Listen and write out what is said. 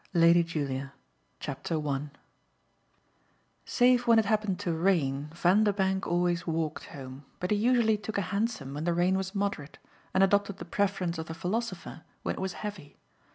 LADY JULIA I Save when it happened to rain Vanderbank always walked home, but he usually took a hansom when the rain was moderate and adopted the preference of the philosopher when it was heavy.